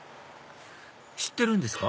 知ってるんですか？